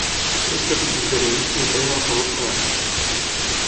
Tres capítols beneïts em queden al famós calaix.